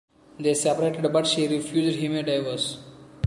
They separated but she refused him a divorce.